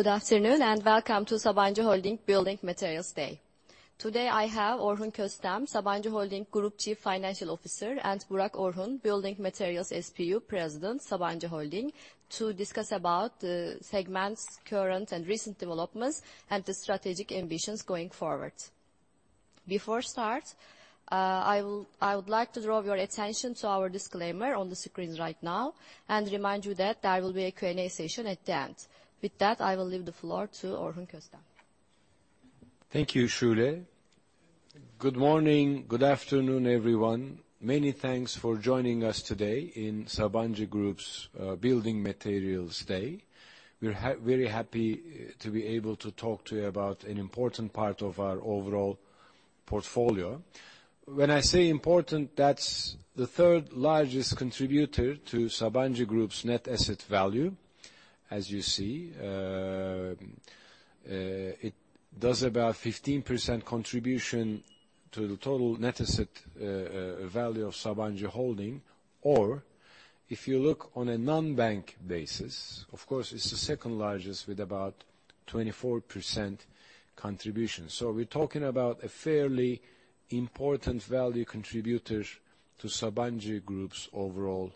Good afternoon, and welcome to Sabancı Holding Building Materials Day. Today, I have Orhun Köstem, Sabancı Holding Group Chief Financial Officer, and Burak Orhun, Building Materials SBU President, Sabancı Holding, to discuss about the segment's current and recent developments and the strategic ambitions going forward. Before start, I would like to draw your attention to our disclaimer on the screen right now and remind you that there will be a Q&A session at the end. With that, I will leave the floor to Orhun Köstem. Thank you, Sule. Good morning. Good afternoon, everyone. Many thanks for joining us today in Sabancı Group's Building Materials Day. We're very happy to be able to talk to you about an important part of our overall portfolio. When I say important, that's the third largest contributor to Sabancı Group's net asset value, as you see. It does about 15% contribution to the total net asset value of Sabancı Holding, or if you look on a non-bank basis, of course, it's the second largest with about 24% contribution. So we're talking about a fairly important value contributor to Sabancı Group's overall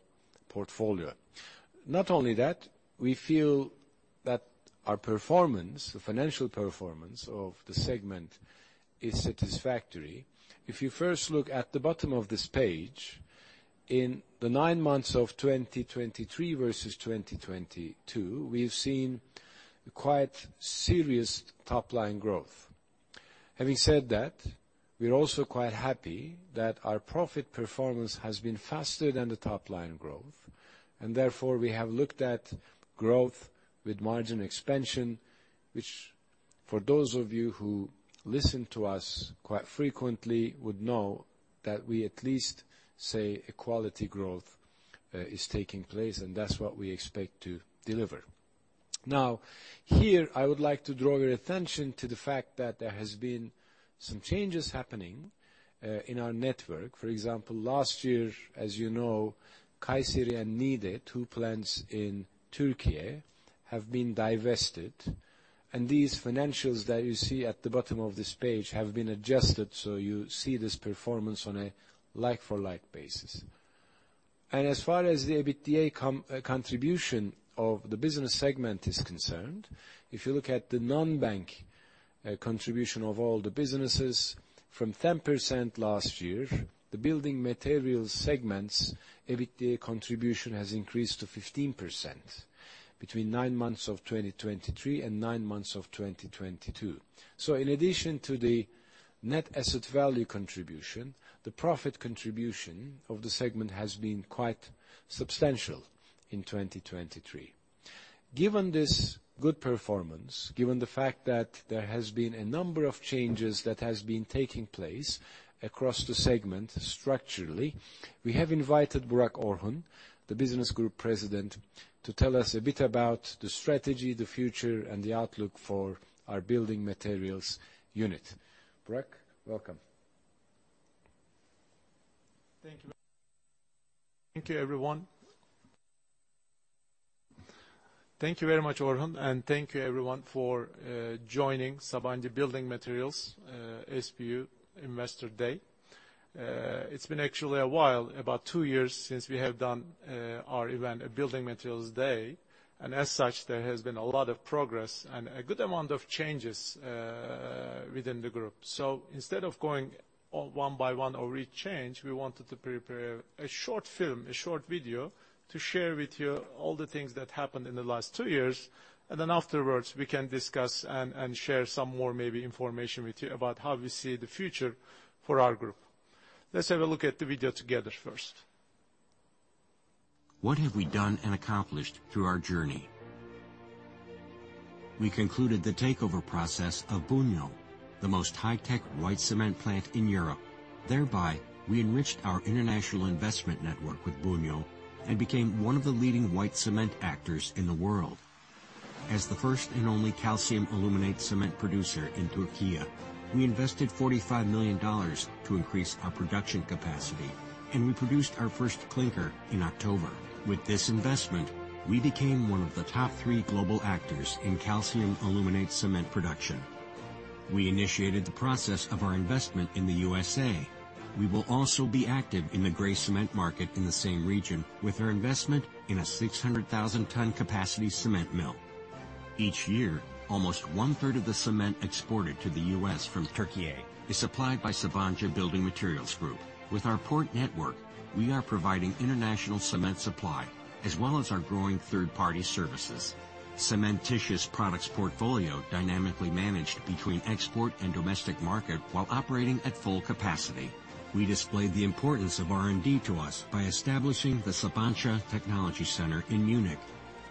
portfolio. Not only that, we feel that our performance, the financial performance of the segment, is satisfactory. If you first look at the bottom of this page, in the nine months of 2023 versus 2022, we've seen quite serious top-line growth. Having said that, we are also quite happy that our profit performance has been faster than the top-line growth, and therefore, we have looked at growth with margin expansion, which for those of you who listen to us quite frequently, would know that we at least say a quality growth is taking place, and that's what we expect to deliver. Now, here, I would like to draw your attention to the fact that there has been some changes happening in our network. For example, last year, as you know, Kayseri and Niğde, two plants in Türkiye, have been divested, and these financials that you see at the bottom of this page have been adjusted, so you see this performance on a like-for-like basis. And as far as the EBITDA contribution of the business segment is concerned, if you look at the non-bank contribution of all the businesses, from 10% last year, the building materials segment's EBITDA contribution has increased to 15% between nine months of 2023 and nine months of 2022. So in addition to the net asset value contribution, the profit contribution of the segment has been quite substantial in 2023. Given this good performance, given the fact that there has been a number of changes that has been taking place across the segment structurally, we have invited Burak Orhun, the Building Materials Group President, to tell us a bit about the strategy, the future, and the outlook for our building materials unit. Burak, welcome. Thank you. Thank you, everyone. Thank you very much, Orhun, and thank you, everyone, for joining Sabancı Building Materials SBU Investor Day. It's been actually a while, about two years, since we have done our event, a Building Materials Day, and as such, there has been a lot of progress and a good amount of changes within the group. So instead of going all one by one over each change, we wanted to prepare a short film, a short video, to share with you all the things that happened in the last two years, and then afterwards, we can discuss and share some more maybe information with you about how we see the future for our group. Let's have a look at the video together first. What have we done and accomplished through our journey? We concluded the takeover process of Buñol, the most high-tech white cement plant in Europe. Thereby, we enriched our international investment network with Buñol and became one of the leading white cement actors in the world. As the first and only calcium aluminate cement producer in Türkiye, we invested $45 million to increase our production capacity, and we produced our first clinker in October. With this investment, we became one of the top three global actors in calcium aluminate cement production. We initiated the process of our investment in the USA. We will also be active in the gray cement market in the same region, with our investment in a 600,000-ton capacity cement mill. Each year, almost one-third of the cement exported to the US from Türkiye is supplied by Sabancı Building Materials Group. With our port network, we are providing international cement supply, as well as our growing third-party services. Cementitious products portfolio dynamically managed between export and domestic market while operating at full capacity. We displayed the importance of R&D to us by establishing the Sabancı Technology Center in Munich.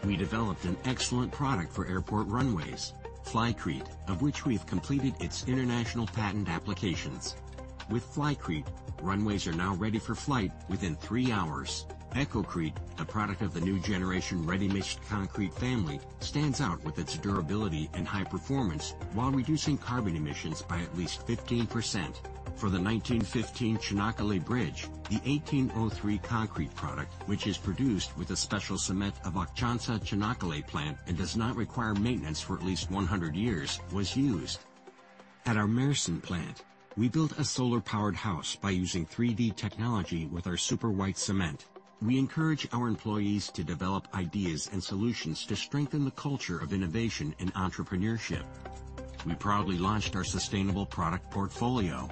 We developed an excellent product for airport runways, Flycrete, of which we have completed its international patent applications. With Flycrete, runways are now ready for flight within three hours. Ecocrete, the product of the new generation ready-mixed concrete family, stands out with its durability and high performance while reducing carbon emissions by at least 15%. For the 1915 Çanakkale Bridge, the 1803 concrete product, which is produced with a special cement of Akçansa Çanakkale Plant and does not require maintenance for at least 100 years, was used. At our Mersin plant, we built a solar-powered house by using 3D technology with our super white cement. We encourage our employees to develop ideas and solutions to strengthen the culture of innovation and entrepreneurship. We proudly launched our sustainable product portfolio.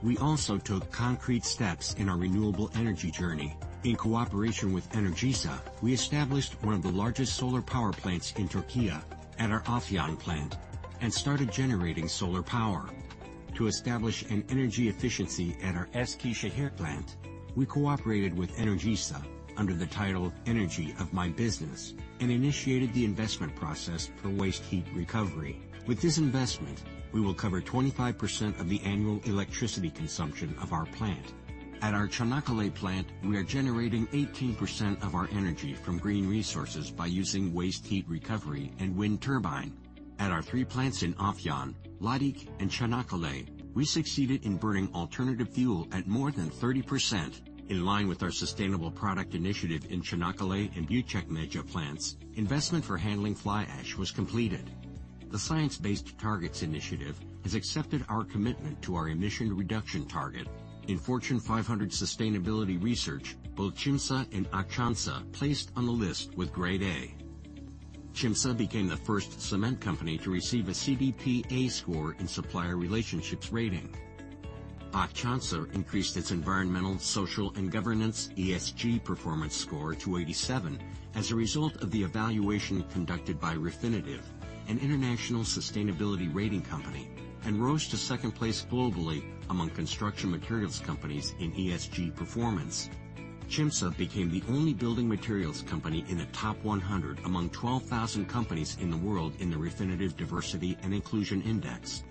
We also took concrete steps in our renewable energy journey. In cooperation with Enerjisa, we established one of the largest solar power plants in Türkiye at our Afyon plant, and started generating solar power. To establish an energy efficiency at our Eskişehir plant, we cooperated with Enerjisa under the title, Energy of My Business, and initiated the investment process for waste heat recovery. With this investment, we will cover 25% of the annual electricity consumption of our plant. At our Çanakkale plant, we are generating 18% of our energy from green resources by using waste heat recovery and wind turbine. At our three plants in Afyon, Ladik and Çanakkale, we succeeded in burning alternative fuel at more than 30%. In line with our sustainable product initiative in Çanakkale and Büyükçekmece plants, investment for handling fly ash was completed. The Science Based Targets initiative has accepted our commitment to our emission reduction target. In Fortune 500 sustainability research, both Çimsa and Akçansa placed on the list with grade A. Çimsa became the first cement company to receive a CDP A Score in supplier relationships rating. Akçansa increased its environmental, social, and governance ESG performance score to 87 as a result of the evaluation conducted by Refinitiv, an international sustainability rating company, and rose to second place globally among construction materials companies in ESG performance. Çimsa became the only building materials company in the top 100 among 12,000 companies in the world in the Refinitiv Diversity and Inclusion Index.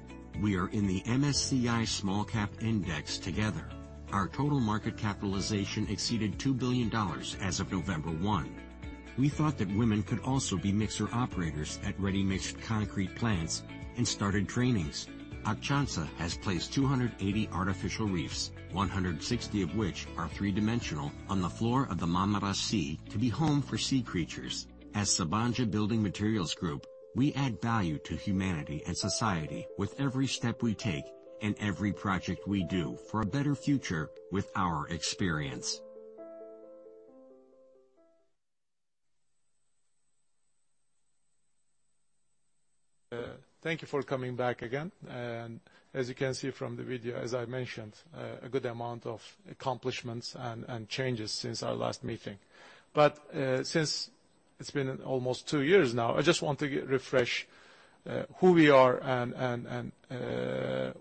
We are in the MSCI Small Cap Index together. Our total market capitalization exceeded $2 billion as of November 1. We thought that women could also be mixer operators at ready-mixed concrete plants and started trainings. Akçansa has placed 280 artificial reefs, 160 of which are three-dimensional, on the floor of the Marmara Sea to be home for sea creatures. As Sabancı Building Materials Group, we add value to humanity and society with every step we take and every project we do, for a better future with our experience. Thank you for coming back again. As you can see from the video, as I mentioned, a good amount of accomplishments and changes since our last meeting. But since it's been almost two years now, I just want to refresh who we are and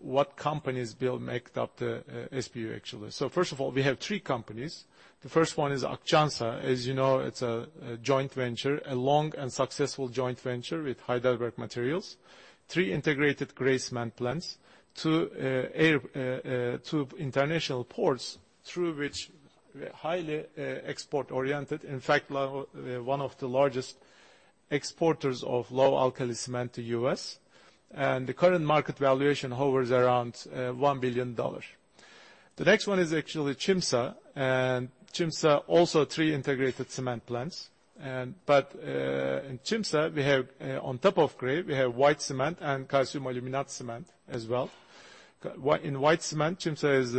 what companies build make up the SBU actually. So first of all, we have three companies. The first one is Akçansa. As you know, it's a joint venture, a long and successful joint venture with Heidelberg Materials. Three integrated gray cement plants, two international ports, through which we are highly export-oriented. In fact, one of the largest exporters of low-alkali cement to U.S. And the current market valuation hovers around $1 billion. The next one is actually Çimsa, and Çimsa also three integrated cement plants. In Çimsa, we have on top of gray, we have white cement and calcium aluminate cement as well. In white cement, Çimsa is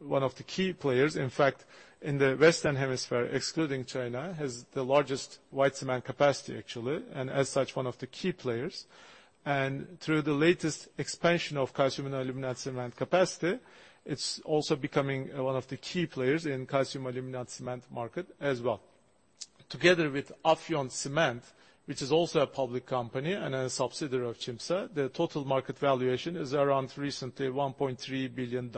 one of the key players. In fact, in the Western Hemisphere, excluding China, has the largest white cement capacity, actually, and as such, one of the key players. And through the latest expansion of calcium aluminate cement capacity, it's also becoming one of the key players in calcium aluminate cement market as well. Together with Afyon Çimento, which is also a public company and a subsidiary of Çimsa, the total market valuation is around recently $1.3 billion.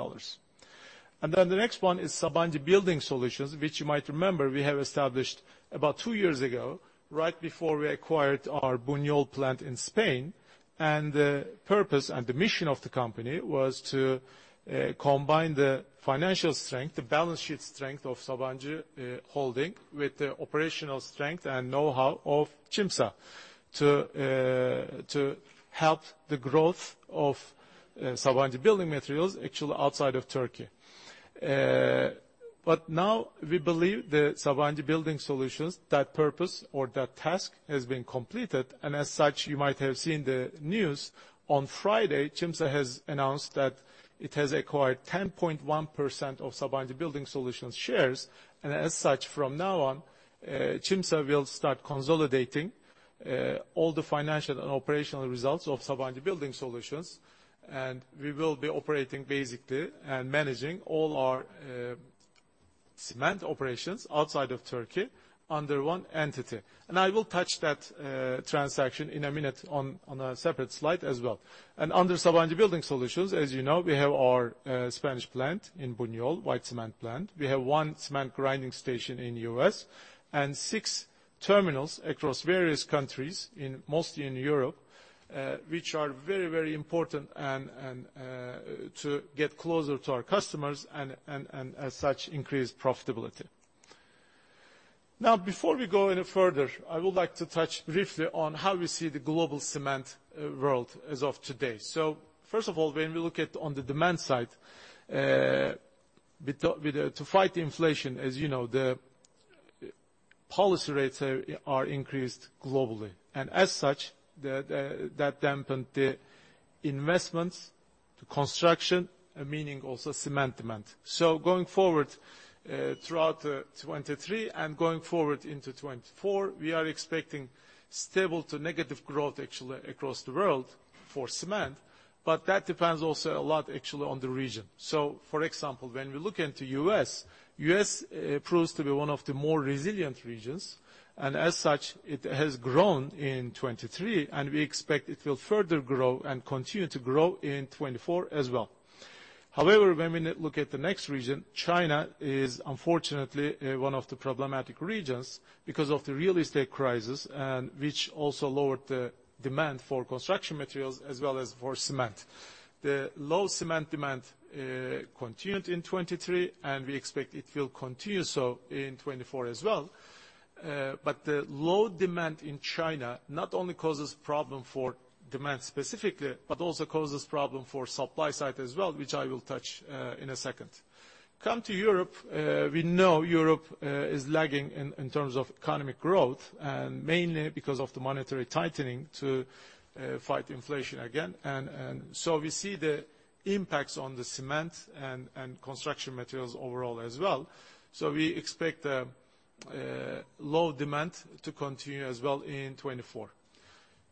Then the next one is Sabancı Building Solutions, which you might remember we have established about two years ago, right before we acquired our Buñol plant in Spain. The purpose and the mission of the company was to combine the financial strength, the balance sheet strength of Sabancı Holding, with the operational strength and know-how of Çimsa, to help the growth of Sabancı Building Materials, actually, outside of Türkiye. But now we believe that Sabancı Building Solutions, that purpose or that task has been completed, and as such, you might have seen the news. On Friday, Çimsa has announced that it has acquired 10.1% of Sabancı Building Solutions shares, and as such, from now on, Çimsa will start consolidating all the financial and operational results of Sabancı Building Solutions. We will be operating basically and managing all our cement operations outside of Turkey under one entity. I will touch that transaction in a minute on a separate slide as well. Under Sabancı Building Solutions, as you know, we have our Spanish plant in Buñol, white cement plant. We have one cement grinding station in U.S. and six terminals across various countries in—mostly in Europe, which are very, very important and to get closer to our customers and as such, increase profitability. Now, before we go any further, I would like to touch briefly on how we see the global cement world as of today. So first of all, when we look at on the demand side. To fight inflation, as you know, the policy rates are increased globally, and as such, that dampened the investments, the construction, meaning also cement demand. So going forward, throughout 2023 and going forward into 2024, we are expecting stable to negative growth actually across the world for cement, but that depends also a lot actually on the region. So for example, when we look into U.S., proves to be one of the more resilient regions, and as such, it has grown in 2023, and we expect it will further grow and continue to grow in 2024 as well. However, when we look at the next region, China is unfortunately one of the problematic regions because of the real estate crisis, and which also lowered the demand for construction materials as well as for cement. The low cement demand continued in 2023, and we expect it will continue so in 2024 as well. But the low demand in China not only causes problem for demand specifically, but also causes problem for supply side as well, which I will touch in a second. Come to Europe, we know Europe is lagging in terms of economic growth, and mainly because of the monetary tightening to fight inflation again. So we see the impacts on the cement and construction materials overall as well. So we expect the low demand to continue as well in 2024.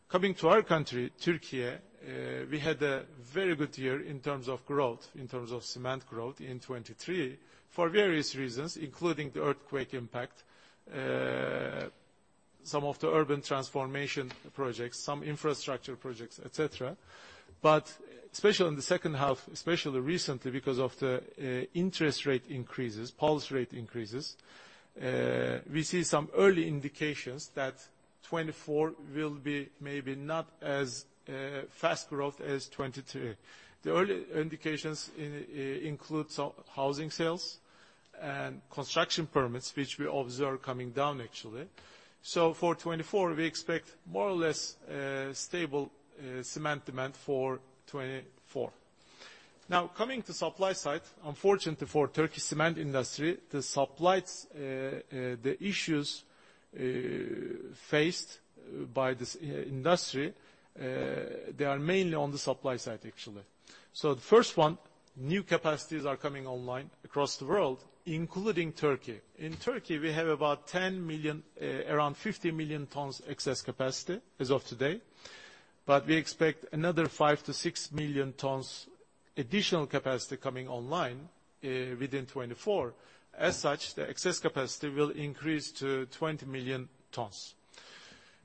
Coming to our country, Türkiye, we had a very good year in terms of growth, in terms of cement growth in 2023, for various reasons, including the earthquake impact, some of the urban transformation projects, some infrastructure projects, et cetera. But especially in the second half, especially recently, because of the interest rate increases, policy rate increases, we see some early indications that 2024 will be maybe not as fast growth as 2023. The early indications include housing sales and construction permits, which we observe coming down, actually. So for 2024, we expect more or less stable cement demand for 2024. Now, coming to supply side, unfortunately for Türkiye cement industry, the supply issues faced by this industry, they are mainly on the supply side, actually. So the first one, new capacities are coming online across the world, including Türkiye. In Türkiye, we have about 10 million, around 50 million tons excess capacity as of today, but we expect another 5-6 million tons additional capacity coming online within 2024. As such, the excess capacity will increase to 20 million tons.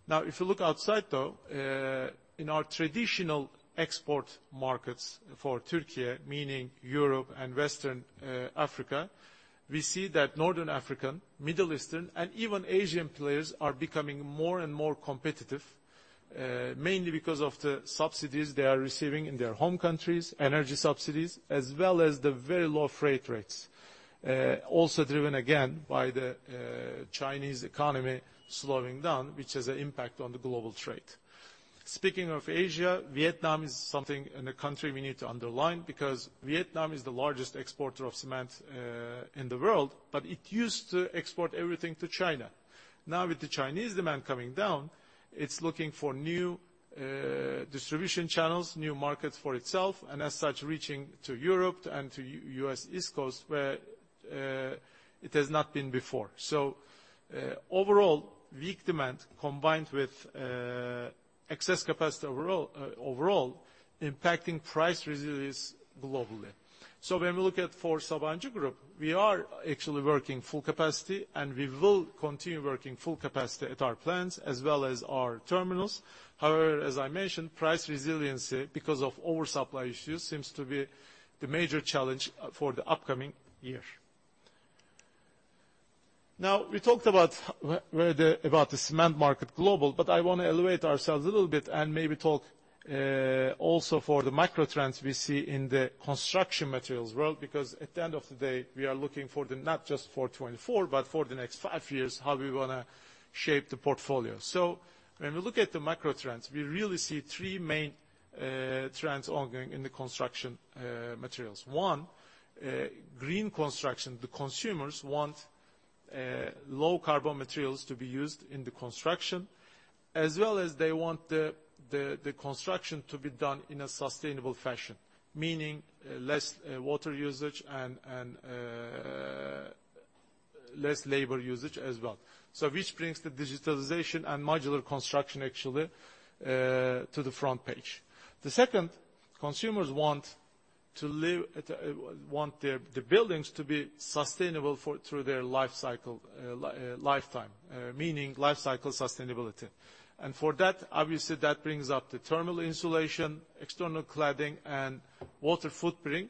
Now, if you look outside, though, in our traditional export markets for Türkiye, meaning Europe and Western Africa, we see that Northern African, Middle Eastern, and even Asian players are becoming more and more competitive, mainly because of the subsidies they are receiving in their home countries, energy subsidies, as well as the very low freight rates. Also driven again by the, Chinese economy slowing down, which has an impact on the global trade. Speaking of Asia, Vietnam is something and a country we need to underline because Vietnam is the largest exporter of cement, in the world, but it used to export everything to China. Now, with the Chinese demand coming down, it's looking for new, distribution channels, new markets for itself, and as such, reaching to Europe and to U.S. East Coast, where, it has not been before. So, overall, weak demand combined with, excess capacity overall, overall, impacting price resilience globally. So when we look at for Sabancı Group, we are actually working full capacity, and we will continue working full capacity at our plants as well as our terminals. However, as I mentioned, price resiliency, because of oversupply issues, seems to be the major challenge, for the upcoming year. Now, we talked about the cement market global, but I want to elevate ourselves a little bit and maybe talk also for the macro trends we see in the construction materials world, because at the end of the day, we are looking not just for 2024, but for the next five years, how we want to shape the portfolio. So when we look at the macro trends, we really see three main trends ongoing in the construction materials. One, green construction. The consumers want low carbon materials to be used in the construction, as well as they want the construction to be done in a sustainable fashion, meaning less water usage and less labor usage as well. So which brings the digitalization and modular construction actually to the front page. The second, consumers want to live, want the buildings to be sustainable through their life cycle, lifetime, meaning life cycle sustainability. And for that, obviously, that brings up the thermal insulation, external cladding, and water footprint,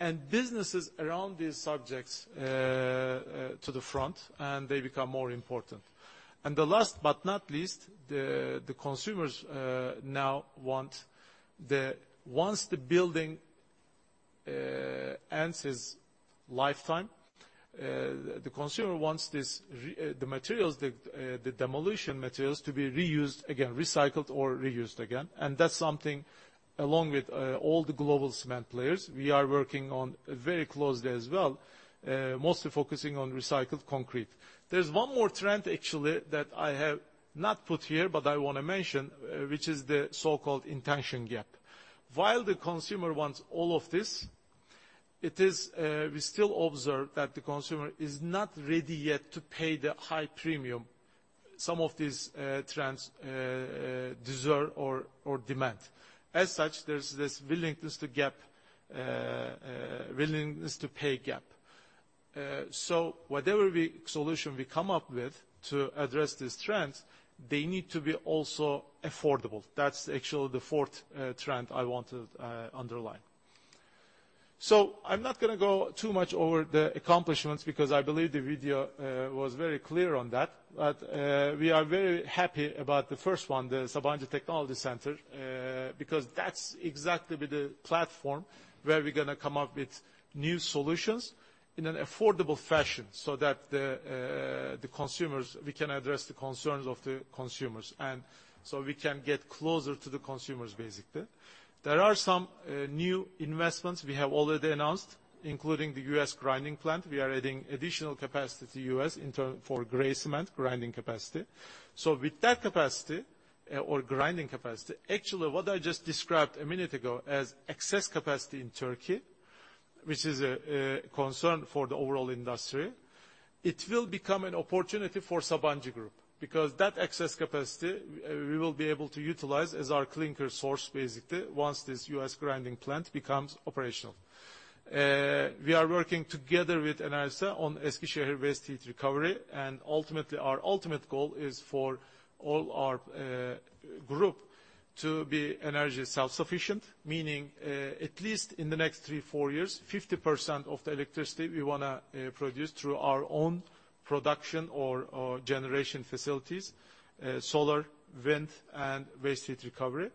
and businesses around these subjects to the front, and they become more important. And the last but not least, the consumers now want once the building ends its lifetime. The consumer wants the materials, the demolition materials to be reused again, recycled or reused again, and that's something, along with all the global cement players, we are working on very closely as well, mostly focusing on recycled concrete. There's one more trend, actually, that I have not put here, but I want to mention, which is the so-called intention gap. While the consumer wants all of this, it is, we still observe that the consumer is not ready yet to pay the high premium some of these trends deserve or demand. As such, there's this willingness to pay gap. So whatever solution we come up with to address these trends, they need to be also affordable. That's actually the fourth trend I want to underline. So I'm not gonna go too much over the accomplishments, because I believe the video was very clear on that. But, we are very happy about the first one, the Sabancı Technology Center, because that's exactly be the platform where we're gonna come up with new solutions in an affordable fashion, so that the, the consumers—we can address the concerns of the consumers, and so we can get closer to the consumers, basically. There are some, new investments we have already announced, including the U.S. grinding plant. We are adding additional capacity to U.S. in turn for gray cement grinding capacity. So with that capacity, or grinding capacity, actually, what I just described a minute ago as excess capacity in Turkey, which is a concern for the overall industry, it will become an opportunity for Sabancı Group, because that excess capacity, we will be able to utilize as our clinker source, basically, once this U.S. grinding plant becomes operational. We are working together with Enerjisa on Eskişehir Waste Heat Recovery, and ultimately, our ultimate goal is for all our group to be energy self-sufficient, meaning at least in the next three-four years, 50% of the electricity we wanna produce through our own production or generation facilities, solar, wind, and waste heat recovery.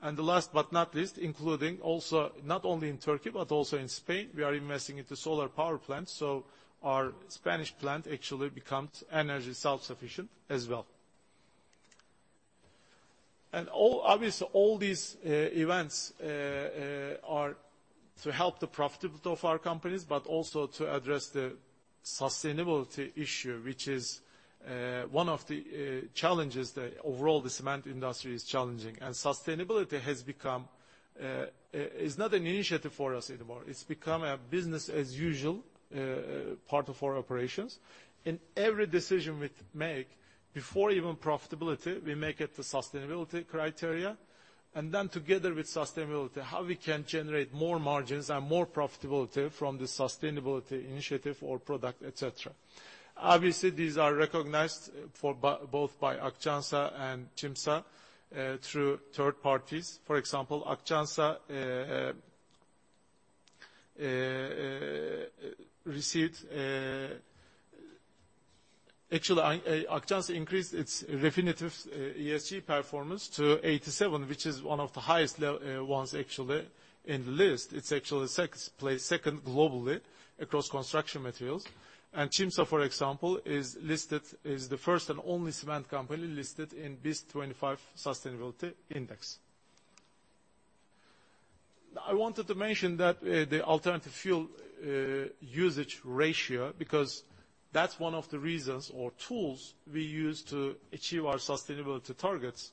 And the last but not least, including also, not only in Turkey, but also in Spain, we are investing into solar power plants, so our Spanish plant actually becomes energy self-sufficient as well. And all, obviously, all these events are to help the profitability of our companies, but also to address the sustainability issue, which is one of the challenges that overall the cement industry is challenging. And sustainability has become—it's not an initiative for us anymore. It's become a business as usual, part of our operations. In every decision we make, before even profitability, we make it the sustainability criteria, and then together with sustainability, how we can generate more margins and more profitability from the sustainability initiative or product, et cetera. Obviously, these are recognized for both by Akçansa and Çimsa, through third parties. For example, Akçansa... Actually, Akçansa increased its Refinitiv ESG performance to 87, which is one of the highest ones actually in the list. It's actually sixth place, second globally across construction materials. And Çimsa, for example, is listed, is the first and only cement company listed in BIST 25 Sustainability Index. I wanted to mention that, the alternative fuel usage ratio, because that's one of the reasons or tools we use to achieve our sustainability targets.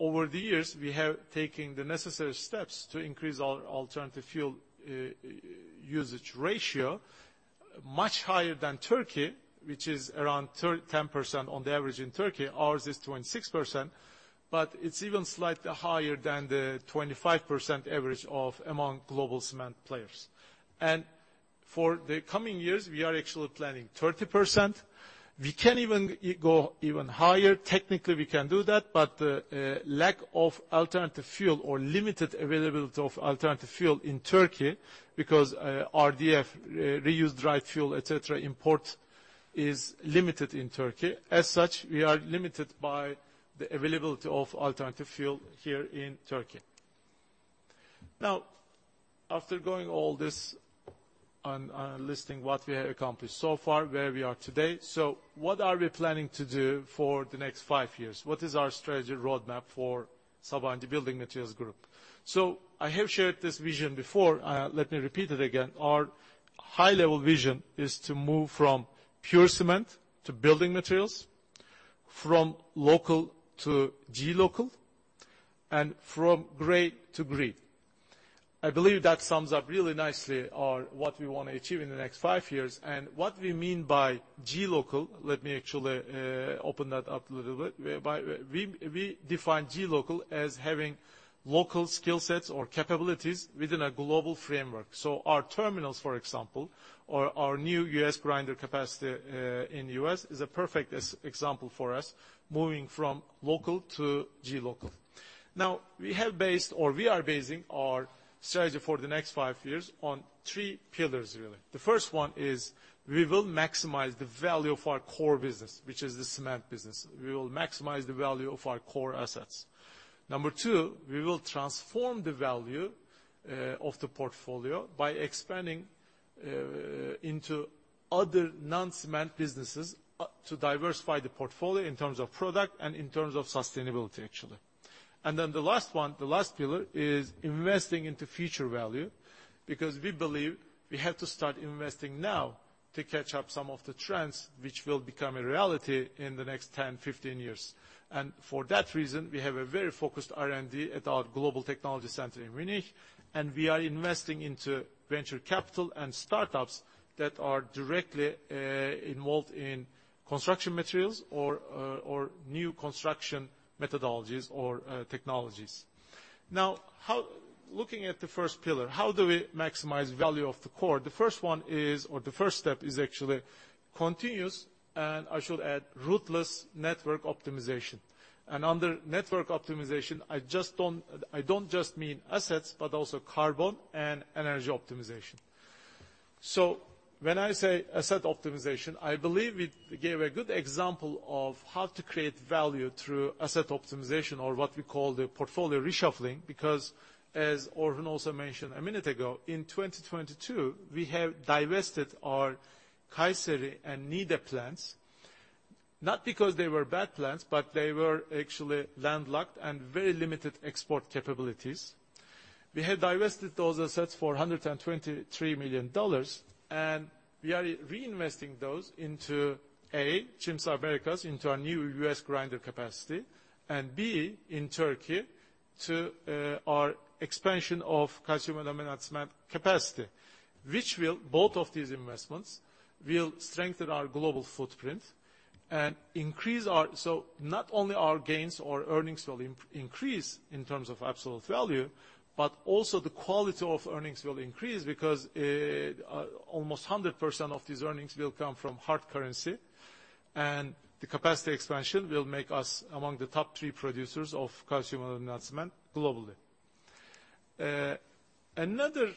Over the years, we have taken the necessary steps to increase our alternative fuel usage ratio, much higher than Turkey, which is around 10% on the average in Turkey. Ours is 26%, but it's even slightly higher than the 25% average among global cement players. For the coming years, we are actually planning 30%. We can even go even higher. Technically, we can do that, but lack of alternative fuel or limited availability of alternative fuel in Turkey, because RDF, refuse-derived fuel, et cetera, import is limited in Turkey. As such, we are limited by the availability of alternative fuel here in Turkey. Now, after going all this on, on listing what we have accomplished so far, where we are today, so what are we planning to do for the next five years? What is our strategy roadmap for Sabancı Building Materials group? So I have shared this vision before. Let me repeat it again. Our high-level vision is to move from pure cement to building materials, from local to Glocal, and from gray to green. I believe that sums up really nicely on what we want to achieve in the next five years and what we mean by Glocal. Let me actually open that up a little bit. We define Glocal as having local skill sets or capabilities within a global framework. So our terminals, for example, or our new U.S. grinder capacity in U.S., is a perfect example for us, moving from local to Glocal. Now, we have based, or we are basing our strategy for the next five years on three pillars, really. The first one is we will maximize the value of our core business, which is the cement business. We will maximize the value of our core assets. Number two, we will transform the value of the portfolio by expanding into other non-cement businesses to diversify the portfolio in terms of product and in terms of sustainability, actually. And then the last one, the last pillar, is investing into future value, because we believe we have to start investing now to catch up some of the trends which will become a reality in the next 10, 15 years. And for that reason, we have a very focused R&D at our global technology center in Munich, and we are investing into venture capital and startups that are directly involved in construction materials or new construction methodologies or technologies. Now, looking at the first pillar, how do we maximize value of the core? The first one is, or the first step is actually continuous, and I should add, ruthless network optimization. And under network optimization, I don't just mean assets, but also carbon and energy optimization. So when I say asset optimization, I believe we gave a good example of how to create value through asset optimization or what we call the portfolio reshuffling, because as Orhun also mentioned a minute ago, in 2022, we have divested our Kayseri and Niğde plants, not because they were bad plants, but they were actually landlocked and very limited export capabilities. We have divested those assets for $123 million, and we are reinvesting those into A, Çimsa Americas, into our new US grinder capacity, and B, in Turkey, to our expansion of calcium aluminate cement capacity, which will... Both of these investments will strengthen our global footprint and increase our—so not only our gains or earnings will increase in terms of absolute value, but also the quality of earnings will increase because almost 100% of these earnings will come from hard currency, and the capacity expansion will make us among the top three producers of calcium aluminate cement globally. Another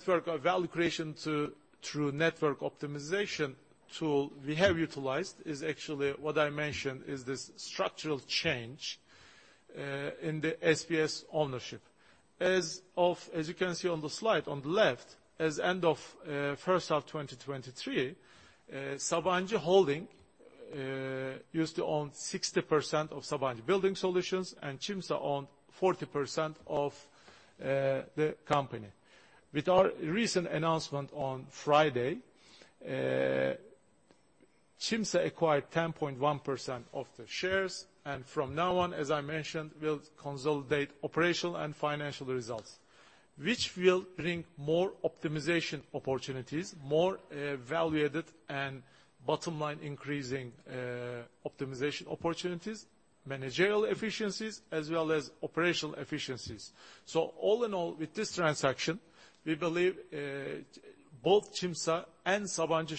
network or value creation through network optimization tool we have utilized is actually what I mentioned, is this structural change in the SBS ownership. As of, as you can see on the slide, on the left, as of end of first half 2023, Sabancı Holding used to own 60% of Sabancı Building Solutions, and Çimsa owned 40% of the company. With our recent announcement on Friday, Çimsa acquired 10.1% of the shares, and from now on, as I mentioned, will consolidate operational and financial results, which will bring more optimization opportunities, more value added and bottom line increasing optimization opportunities, managerial efficiencies, as well as operational efficiencies. So all in all, with this transaction, we believe both Çimsa and Sabancı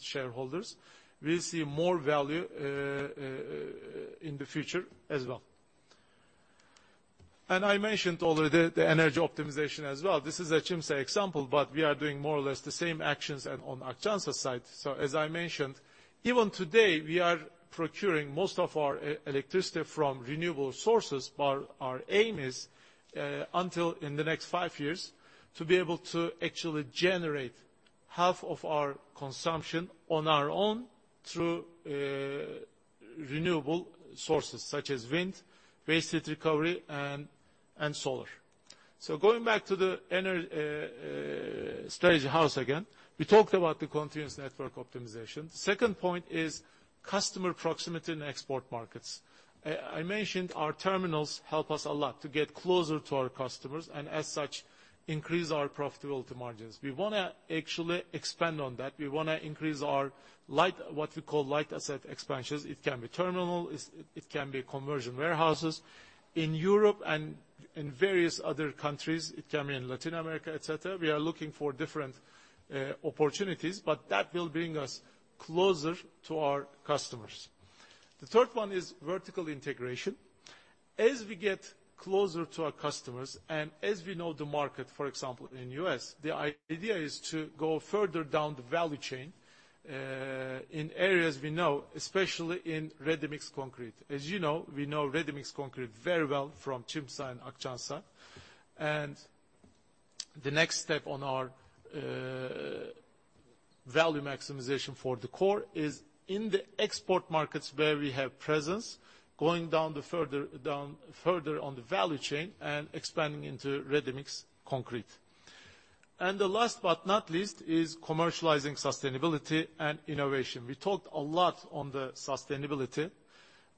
shareholders, shareholders, will see more value in the future as well. And I mentioned already the energy optimization as well. This is a Çimsa example, but we are doing more or less the same actions and on Akçansa side. So as I mentioned, even today, we are procuring most of our electricity from renewable sources, but our aim is until in the next five years to be able to actually generate half of our consumption on our own through renewable sources such as wind, waste heat recovery, and solar. So going back to the energy strategy house again, we talked about the continuous network optimization. Second point is customer proximity in export markets. I mentioned our terminals help us a lot to get closer to our customers and as such increase our profitability margins. We want to actually expand on that. We want to increase our light, what we call light asset expansions. It can be terminal, it can be conversion warehouses. In Europe and in various other countries, it can be in Latin America, et cetera, we are looking for different opportunities, but that will bring us closer to our customers. The third one is vertical integration. As we get closer to our customers, and as we know the market, for example, in the U.S., the idea is to go further down the value chain in areas we know, especially in ready-mix concrete. As you know, we know ready-mix concrete very well from Çimsa and Akçansa. And the next step on our value maximization for the core is in the export markets where we have presence, going down the further down, further on the value chain and expanding into ready-mix concrete. And the last but not least is commercializing sustainability and innovation. We talked a lot on the sustainability,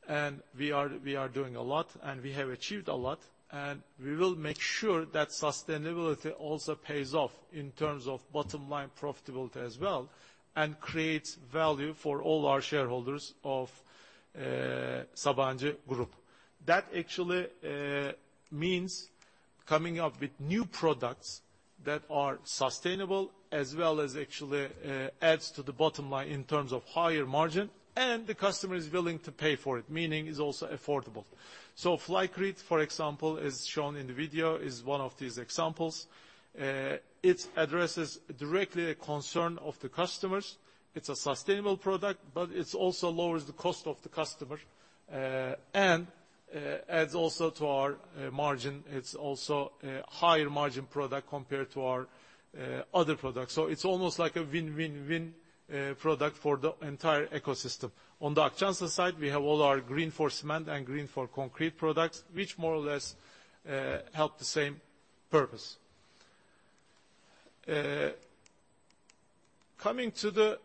and we are doing a lot, and we have achieved a lot, and we will make sure that sustainability also pays off in terms of bottom line profitability as well, and creates value for all our shareholders of Sabancı Group. That actually means coming up with new products that are sustainable, as well as actually adds to the bottom line in terms of higher margin, and the customer is willing to pay for it, meaning it's also affordable. So Flycrete, for example, as shown in the video, is one of these examples. It addresses directly a concern of the customers. It's a sustainable product, but it also lowers the cost of the customer. And adds also to our margin. It's also a higher margin product compared to our other products. So it's almost like a win-win-win product for the entire ecosystem. On the Akçansa side, we have all our green for cement and green for concrete products, which more or less help the same purpose. Coming to the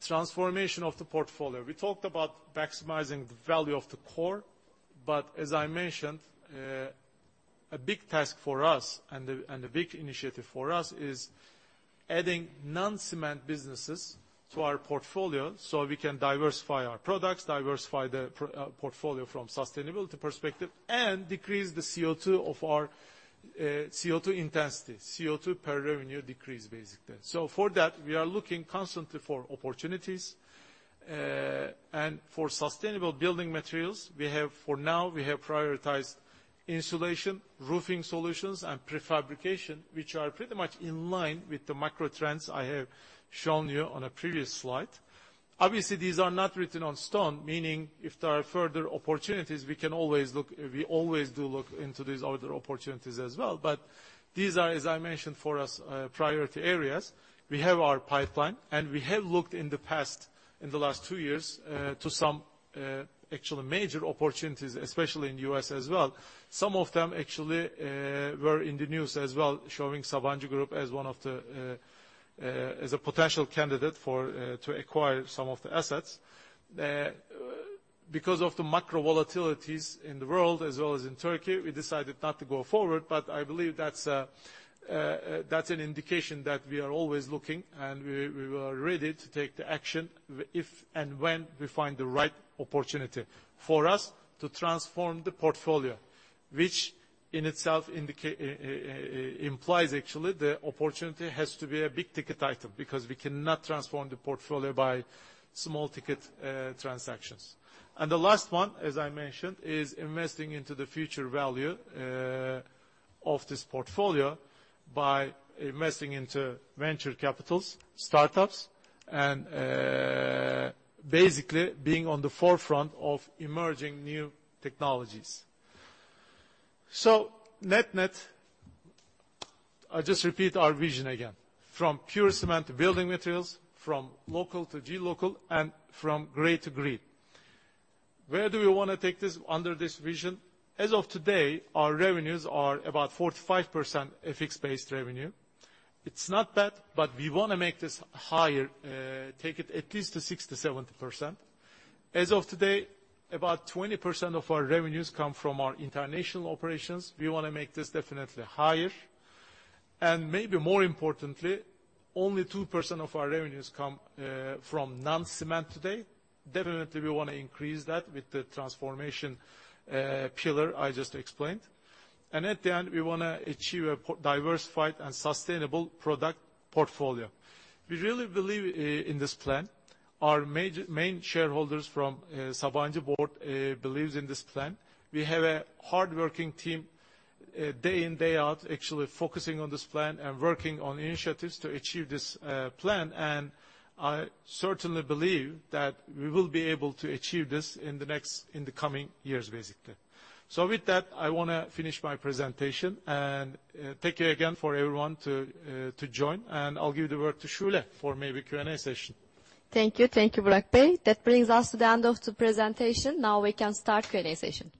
transformation of the portfolio, we talked about maximizing the value of the core, but as I mentioned, a big task for us and a big initiative for us is adding non-cement businesses to our portfolio, so we can diversify our products, diversify the portfolio from sustainability perspective, and decrease the CO2 of our CO2 intensity. CO2 per revenue decrease, basically. So for that, we are looking constantly for opportunities, and for sustainable building materials, we have, for now, we have prioritized insulation, roofing solutions, and prefabrication, which are pretty much in line with the macro trends I have shown you on a previous slide. Obviously, these are not written on stone, meaning if there are further opportunities, we can always look... We always do look into these other opportunities as well. But these are, as I mentioned, for us, priority areas. We have our pipeline, and we have looked in the past, in the last two years, to some, actually major opportunities, especially in the U.S. as well. Some of them actually, were in the news as well, showing Sabancı Group as one of the, as a potential candidate for, to acquire some of the assets. Because of the macro volatilities in the world as well as in Turkey, we decided not to go forward, but I believe that's an indication that we are always looking, and we are ready to take the action if and when we find the right opportunity. For us to transform the portfolio, which in itself implies actually, the opportunity has to be a big-ticket item, because we cannot transform the portfolio by small-ticket transactions. And the last one, as I mentioned, is investing into the future value of this portfolio by investing into venture capitals, startups, and basically being on the forefront of emerging new technologies. So net-net, I just repeat our vision again: from pure cement to building materials, from local to Glocal, and from gray to green. Where do we want to take this under this vision? As of today, our revenues are about 45% FX-based revenue. It's not bad, but we want to make this higher, take it at least to 60%-70%. As of today, about 20% of our revenues come from our international operations. We want to make this definitely higher. And maybe more importantly, only 2% of our revenues come from non-cement today. Definitely, we want to increase that with the transformation pillar I just explained. And at the end, we want to achieve a diversified and sustainable product portfolio. We really believe in this plan. Our main shareholders from Sabancı Board believes in this plan. We have a hardworking team day in, day out, actually focusing on this plan and working on initiatives to achieve this plan. I certainly believe that we will be able to achieve this in the next, in the coming years, basically. So with that, I want to finish my presentation, and thank you again for everyone to join. I'll give the word to Sule for maybe Q&A session. Thank you. Thank you, Burak Bey. That brings us to the end of the presentation. Now we can start Q&A session. ...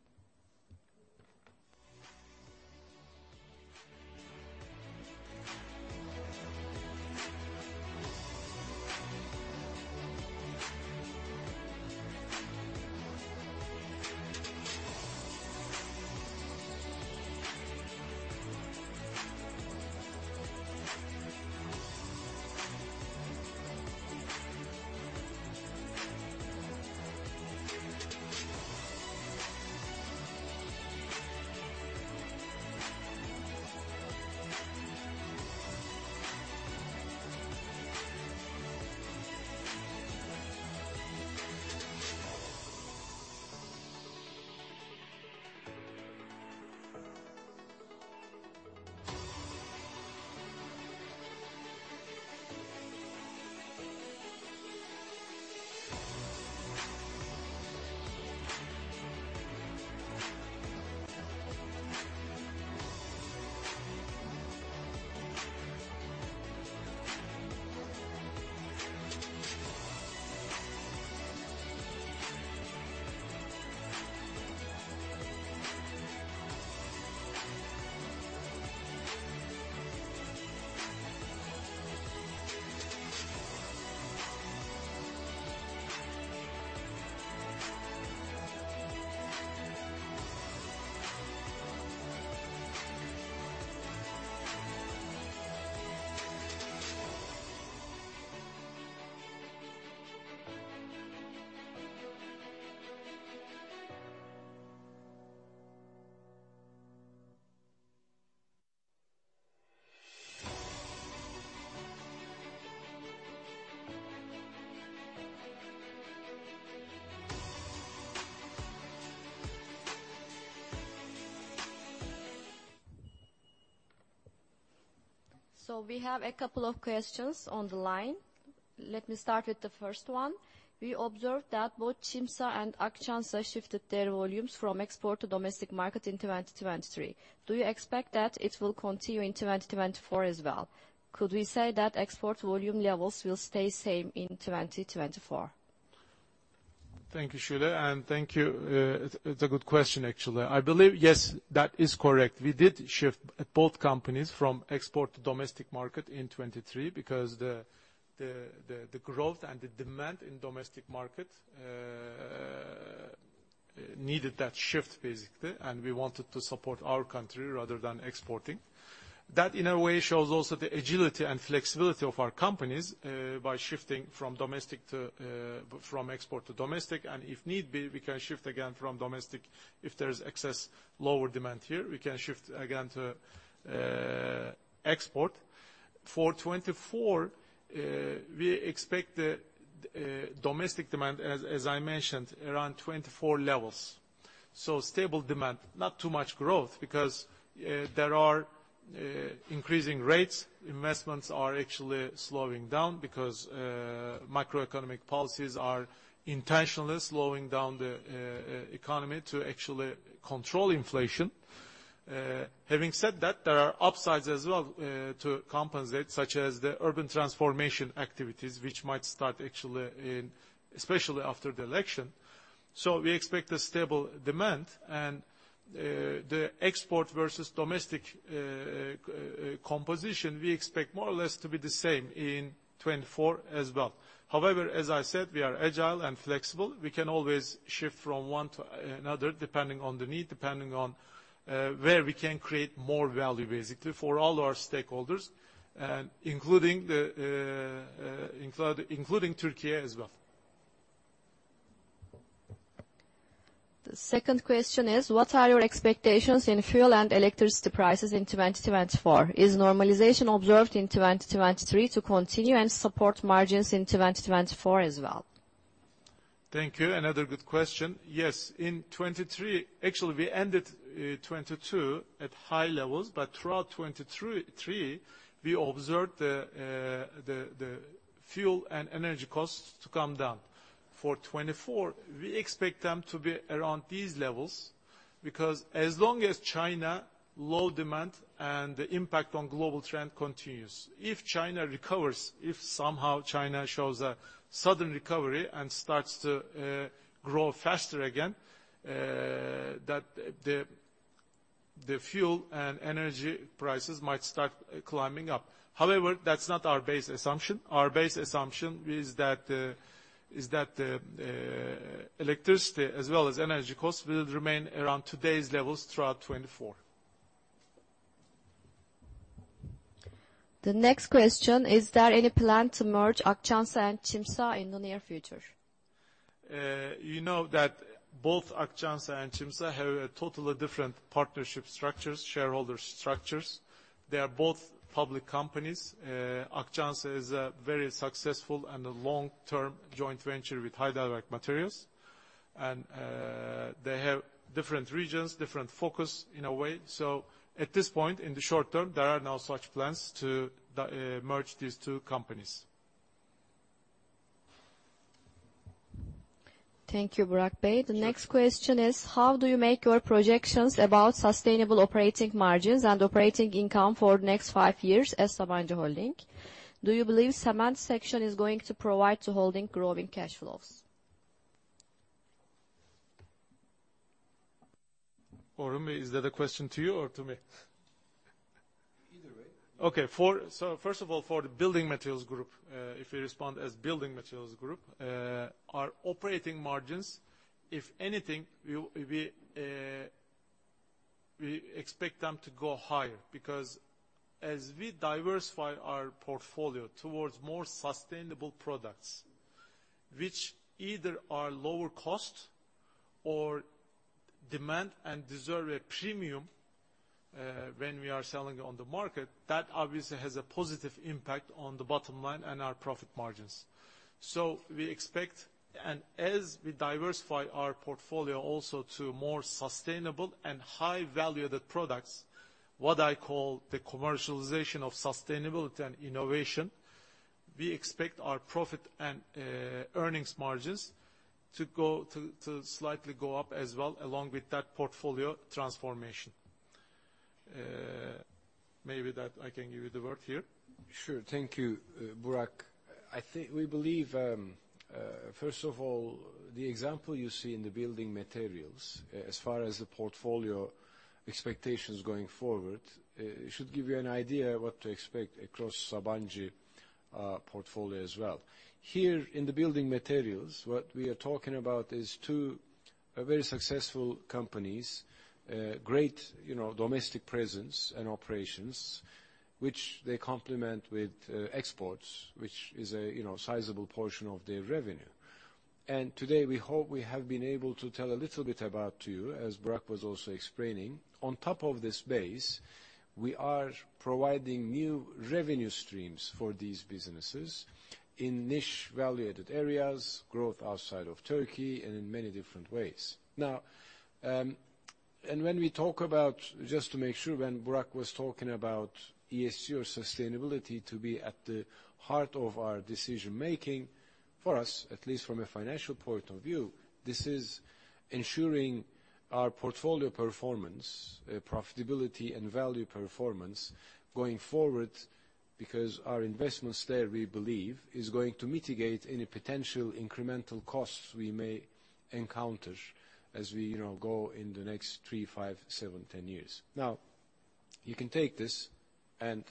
So we have a couple of questions on the line. Let me start with the first one. We observed that both Çimsa and Akçansa shifted their volumes from export to domestic market in 2023. Do you expect that it will continue in 2024 as well? Could we say that export volume levels will stay same in 2024? Thank you, Shula, and thank you, it's a good question, actually. I believe, yes, that is correct. We did shift both companies from export to domestic market in 2023, because the growth and the demand in domestic market needed that shift, basically, and we wanted to support our country rather than exporting. That, in a way, shows also the agility and flexibility of our companies, by shifting from export to domestic, and if need be, we can shift again from domestic. If there is excess lower demand here, we can shift again to export. For 2024, we expect the domestic demand, as I mentioned, around 24 levels. So stable demand, not too much growth, because there are increasing rates. Investments are actually slowing down because macroeconomic policies are intentionally slowing down the economy to actually control inflation. Having said that, there are upsides as well to compensate, such as the urban transformation activities, which might start actually in—especially after the election. So we expect a stable demand. And the export versus domestic composition, we expect more or less to be the same in 2024 as well. However, as I said, we are agile and flexible. We can always shift from one to another, depending on the need, depending on where we can create more value, basically, for all our stakeholders, including Türkiye as well. The second question is: What are your expectations in fuel and electricity prices in 2024? Is normalization observed in 2023 to continue and support margins in 2024 as well? Thank you. Another good question. Yes, in 2023—actually, we ended 2022 at high levels, but throughout 2023, we observed the fuel and energy costs to come down. For 2024, we expect them to be around these levels, because as long as China, low demand and the impact on global trend continues. If China recovers, if somehow China shows a sudden recovery and starts to grow faster again, that the fuel and energy prices might start climbing up. However, that's not our base assumption. Our base assumption is that electricity as well as energy costs will remain around today's levels throughout 2024. The next question: Is there any plan to merge Akçansa and Çimsa in the near future? You know that both Akçansa and Çimsa have a totally different partnership structures, shareholder structures. They are both public companies. Akçansa is a very successful and a long-term joint venture with Heidelberg Materials, and they have different regions, different focus in a way. So at this point, in the short term, there are no such plans to merge these two companies. Thank you, Burak Bey. Sure. The next question is: How do you make your projections about sustainable operating margins and operating income for next five years as Sabancı Holding? Do you believe cement sector is going to provide to holding growing cash flows? Orhun, is that a question to you or to me? Either way. Okay, so first of all, for the Building Materials Group, if we respond as Building Materials Group, our operating margins, if anything, we expect them to go higher, because as we diversify our portfolio towards more sustainable products, which either are lower cost or demand and deserve a premium when we are selling on the market, that obviously has a positive impact on the bottom line and our profit margins. So we expect... And as we diversify our portfolio also to more sustainable and high value-added products, what I call the commercialization of sustainability and innovation, we expect our profit and earnings margins to slightly go up as well, along with that portfolio transformation. Maybe I can give you the word here. Sure. Thank you, Burak. I think we believe, first of all, the example you see in the building materials, as far as the portfolio expectations going forward, it should give you an idea of what to expect across Sabancı portfolio as well. Here in the building materials, what we are talking about is two very successful companies, great, you know, domestic presence and operations, which they complement with exports, which is a, you know, sizable portion of their revenue. And today, we hope we have been able to tell a little bit about to you, as Burak was also explaining. On top of this base, we are providing new revenue streams for these businesses in niche value-added areas, growth outside of Turkey, and in many different ways. Now,... And when we talk about, just to make sure, when Burak was talking about ESG or sustainability to be at the heart of our decision making, for us, at least from a financial point of view, this is ensuring our portfolio performance, profitability and value performance going forward, because our investments there, we believe, is going to mitigate any potential incremental costs we may encounter as we, you know, go in the next 3, 5, 7, 10 years. Now, you can take this and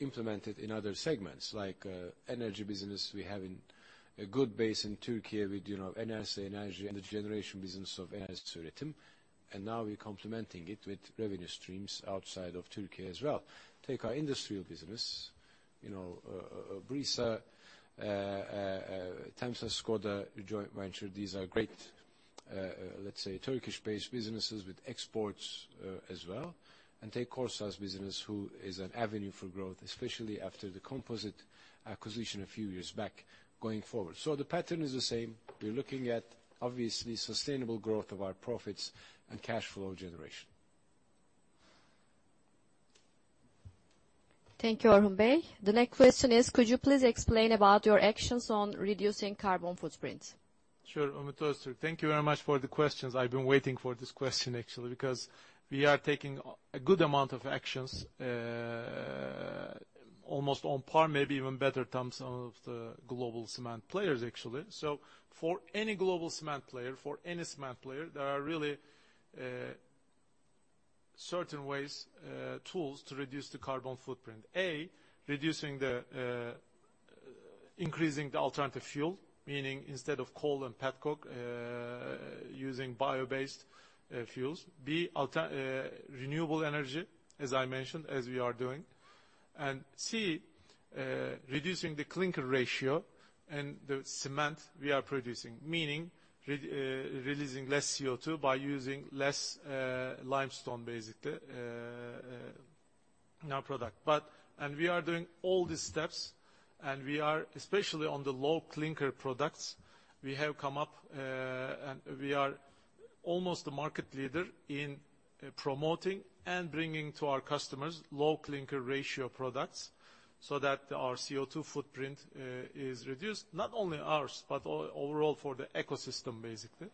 implement it in other segments, like, energy business. We have in a good base in Turkey with, you know, Enerjisa and the generation business of Enerjisa Üretim, and now we're complementing it with revenue streams outside of Turkey as well. Take our idustrial business, you know, Brisa, TEMSA, Skoda, joint venture. These are great, let's say, Turkish-based businesses with exports, as well. And take Kordsa's business, who is an avenue for growth, especially after the composite acquisition a few years back, going forward. So the pattern is the same. We're looking at, obviously, sustainable growth of our profits and cash flow generation. Thank you, Orhun Bey. The next question is, could you please explain about your actions on reducing carbon footprints? Sure, Umutözür. Thank you very much for the questions. I've been waiting for this question, actually, because we are taking a good amount of actions, almost on par, maybe even better terms of the global cement players, actually. So for any global cement player, for any cement player, there are really certain ways, tools to reduce the carbon footprint. A, increasing the alternative fuel, meaning instead of coal and petcoke, using bio-based, fuels. B, renewable energy, as I mentioned, as we are doing. And C, reducing the clinker ratio and the cement we are producing, meaning releasing less CO2 by using less, limestone, basically, in our product. But... We are doing all these steps, and we are, especially on the low clinker products, we have come up, and we are almost the market leader in promoting and bringing to our customers low clinker ratio products so that our CO2 footprint is reduced, not only ours, but overall for the ecosystem, basically.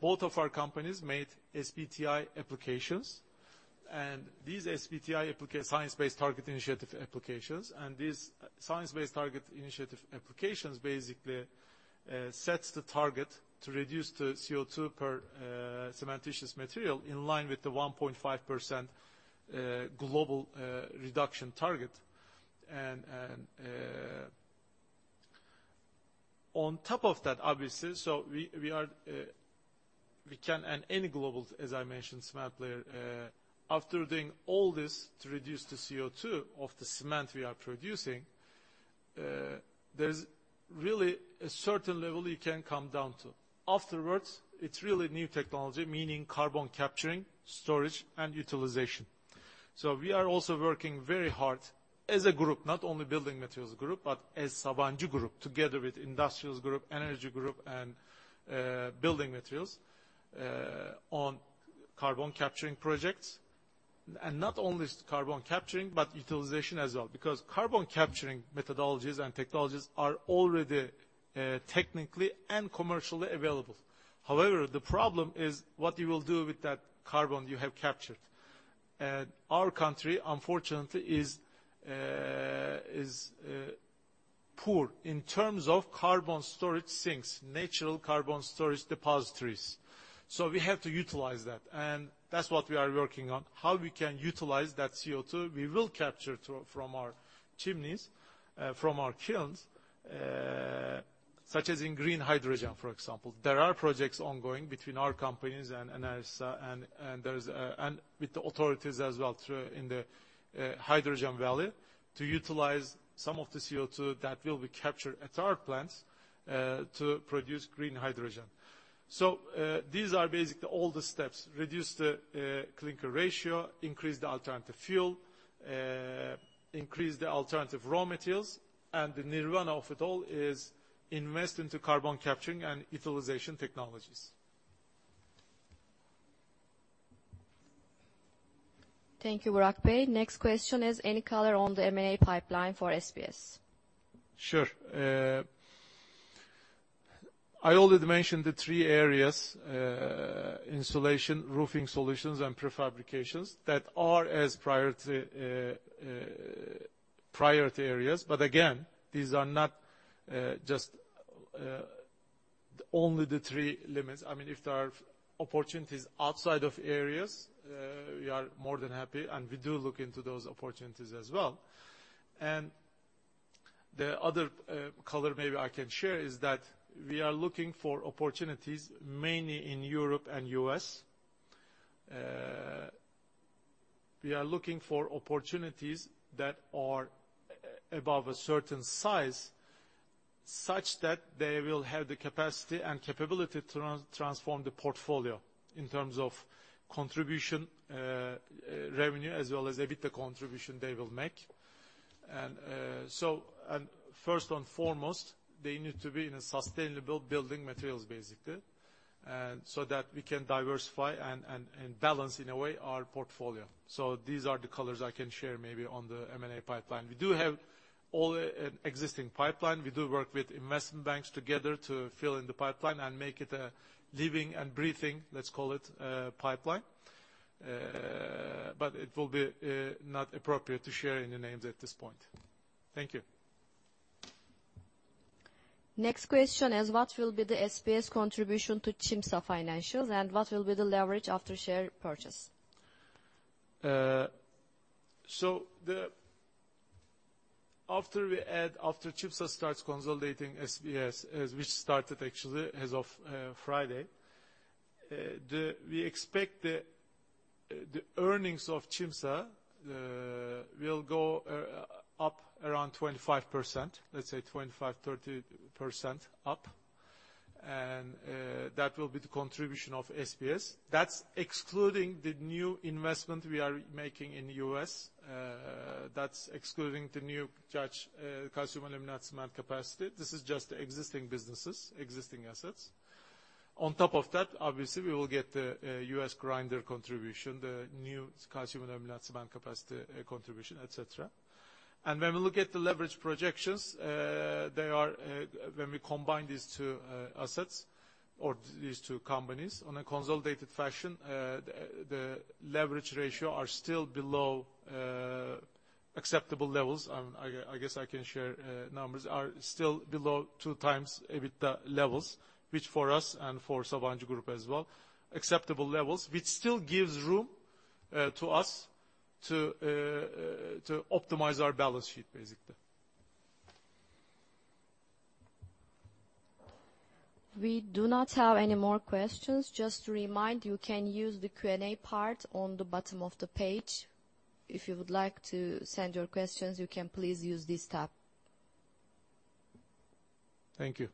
Both of our companies made SBTi applications, and these SBTi applications science-based target initiative applications, and these science-based target initiative applications basically sets the target to reduce the CO2 per cementitious material in line with the 1.5% global reduction target. On top of that, obviously, so we, we are, we can and any global, as I mentioned, cement player, after doing all this to reduce the CO2 of the cement we are producing, there's really a certain level you can come down to. Afterwards, it's really new technology, meaning carbon capturing, storage, and utilization. So we are also working very hard as a group, not only building materials group, but as Sabancı Group, together with industrials group, energy group, and building materials, on carbon capturing projects, and not only carbon capturing, but utilization as well. Because carbon capturing methodologies and technologies are already technically and commercially available. However, the problem is what you will do with that carbon you have captured. And our country, unfortunately, is poor in terms of carbon storage sinks, natural carbon storage depositories. So we have to utilize that, and that's what we are working on, how we can utilize that CO2 we will capture through, from our chimneys, from our kilns, such as in green hydrogen, for example. There are projects ongoing between our companies and with the authorities as well, through the hydrogen valley, to utilize some of the CO2 that will be captured at our plants, to produce green hydrogen. So, these are basically all the steps: reduce the clinker ratio, increase the alternative fuel, increase the alternative raw materials, and the nirvana of it all is invest into carbon capturing and utilization technologies. Thank you, Burak Bey. Next question is, any color on the ML pipeline for SBS? Sure. I already mentioned the three areas, insulation, roofing solutions, and prefabrications, that are as priority, priority areas. But again, these are not, just, only the three limits. I mean, if there are opportunities outside of areas, we are more than happy, and we do look into those opportunities as well. And the other, color maybe I can share is that we are looking for opportunities mainly in Europe and U.S. We are looking for opportunities that are above a certain size, such that they will have the capacity and capability to transform the portfolio in terms of contribution, revenue, as well as EBITDA contribution they will make.... First and foremost, they need to be in sustainable building materials, basically, so that we can diversify and balance in a way our portfolio. So these are the colors I can share maybe on the M&A pipeline. We do have all existing pipeline. We do work with investment banks together to fill in the pipeline and make it a living and breathing, let's call it, pipeline. But it will be not appropriate to share any names at this point. Thank you. Next question is: What will be the SBS contribution to Çimsa financials, and what will be the leverage after share purchase? So, after we add, after Çimsa starts consolidating SBS, which started actually as of Friday, we expect the earnings of Çimsa will go up around 25%, let's say 25-30% up, and that will be the contribution of SBS. That's excluding the new investment we are making in US. That's excluding the new Çimsa calcium aluminate cement capacity. This is just existing businesses, existing assets. On top of that, obviously, we will get a US grinder contribution, the new calcium aluminate cement capacity contribution, et cetera. And when we look at the leverage projections, they are, when we combine these two assets or these two companies on a consolidated fashion, the leverage ratio are still below acceptable levels. I guess I can share numbers are still below 2x EBITDA levels, which for us and for Sabancı Group as well acceptable levels, which still gives room to us to optimize our balance sheet, basically. We do not have any more questions. Just to remind, you can use the Q&A part on the bottom of the page. If you would like to send your questions, you can please use this tab. Thank you.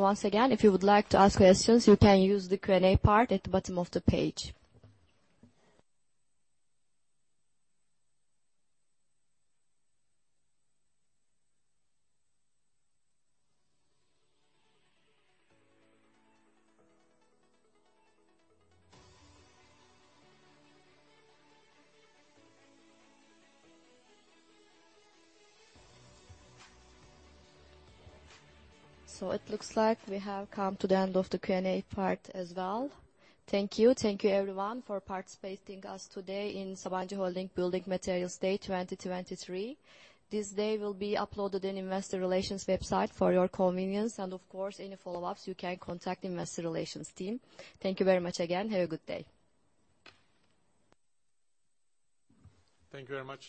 Once again, if you would like to ask questions, you can use the Q&A part at the bottom of the page. So it looks like we have come to the end of the Q&A part as well. Thank you, thank you everyone for participating us today in Sabancı Holding Building Materials Day 2023. This day will be uploaded in Investor Relations website for your convenience, and of course, any follow-ups, you can contact Investor Relations team. Thank you very much again. Have a good day. Thank you very much.